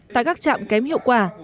tại các trạm kém hiệu quả